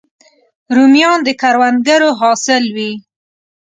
رومیان د کروندګرو حاصل وي